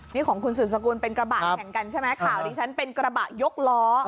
นี่ของคุณสืบสกุลเป็นกระบะแข่งกันใช่ไหมข่าวดิฉันเป็นกระบะยกล้อ